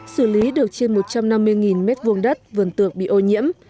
xử lý được trên một trăm năm mươi m hai đất vườn tược bị ô nhiễm